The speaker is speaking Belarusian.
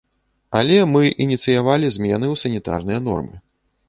Але мы ініцыявалі змены ў санітарныя нормы.